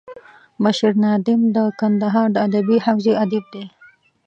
بشیر نادم د کندهار د ادبي حوزې ادیب دی.